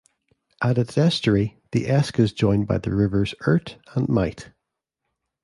At its estuary the Esk is joined by the rivers Irt and Mite.